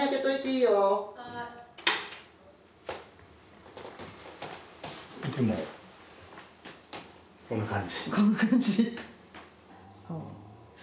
いつもこんな感じ？